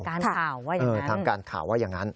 การข่าวว่าอย่างนั้นเออทำการข่าวว่าอย่างนั้น